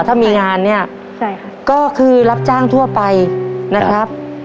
ถ้ามีงานเนี่ยใช่ค่ะก็คือรับจ้างทั่วไปนะครับ